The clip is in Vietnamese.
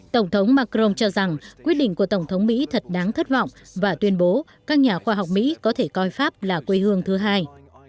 tổng thống macron cho rằng quyết định của tổng thống mỹ thật đáng thất vọng và tuyên bố các nhà khoa học mỹ có thể coi pháp là quê hương thứ hai